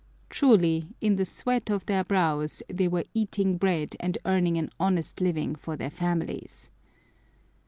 Truly "in the sweat of their brows" they were eating bread and earning an honest living for their families!